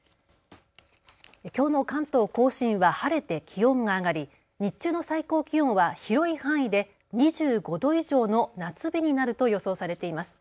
きょうの関東甲信は晴れて気温が上がり日中の最高気温は広い範囲で２５度以上の夏日になると予想されています。